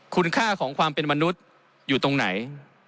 คุณค่าของความเป็นมนุษย์อยู่ตรงไหน